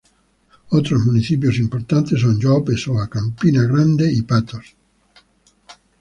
Otros municipios importantes son João Pessoa, Campina Grande y Patos.